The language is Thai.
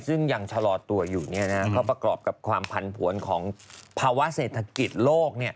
ซึ่งอย่างฉลอดตัวอยู่เพราะประกอบกับความผันผลของภาวะเศรษฐกิจโลก